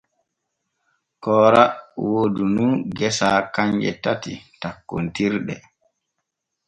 Koora woodu nun gesa kanje tati tokkontirɗe.